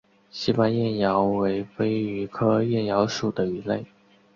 背斑燕鳐为飞鱼科燕鳐属的鱼类。